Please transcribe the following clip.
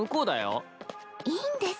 いいんです。